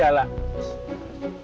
coba kalau papa gak bergokit